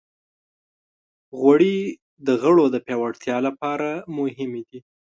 غوړې د غړو د پیاوړتیا لپاره مهمې دي.